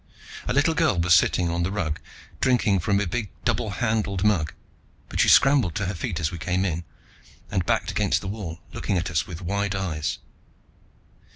A little girl was sitting on the rug, drinking from a big double handled mug, but she scrambled to her feet as we came in, and backed against the wall, looking at us with wide eyes.